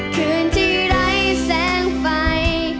คืนที่ไร้แสงไฟ